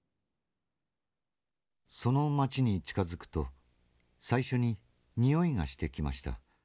「その町に近づくと最初に臭いがしてきました。